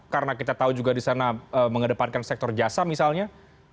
karena kita tahu juga di sana mengedepankan sektor jasa misalnya